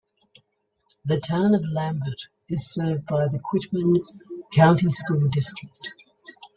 The Town of Lambert is served by the Quitman County School District.